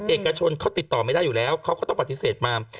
เอกชนเขาติดต่อไม่ได้อยู่แล้วเขาก็ต้องปฏิเสธมา